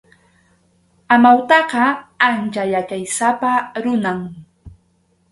Amawtaqa ancha yachaysapa runam.